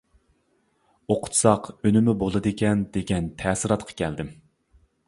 ئوقۇتساق ئۈنۈمى بولىدىكەن دېگەن، تەسىراتقا كەلدىم.